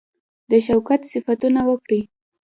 د شوکت صفتونه وکړي.